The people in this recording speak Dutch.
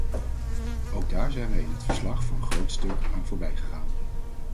Ook daar zijn wij in het verslag voor een groot stuk aan voorbij gegaan.